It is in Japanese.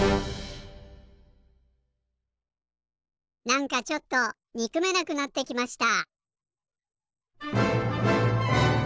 なんかちょっとにくめなくなってきました。